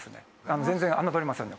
全然侮れませんね。